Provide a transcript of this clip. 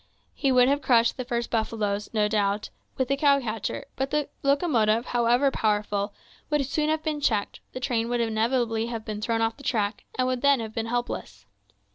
He would have crushed the first buffaloes, no doubt, with the cow catcher; but the locomotive, however powerful, would soon have been checked, the train would inevitably have been thrown off the track, and would then have been helpless.